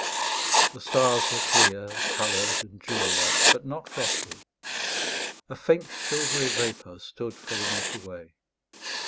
The stars were clear, coloured, and jewel like, but not frosty. A faint silvery vapour stood for the Milky Way.